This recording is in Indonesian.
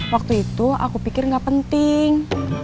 waktu itu aku pikir gak penting